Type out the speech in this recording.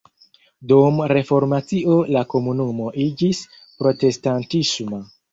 Dum Reformacio la komunumo iĝis protestantisma.